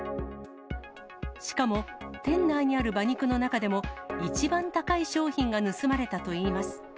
しかも、店内にある馬肉の中でも、一番高い商品が盗まれたといいます。